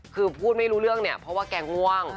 คือพูดไม่รู้เรื่องเนี่ยเพราะว่าแกง่วง